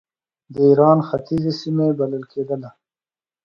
د ایران ختیځې سیمې بلل کېدله.